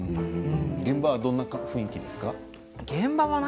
現場はどんな雰囲気ですか。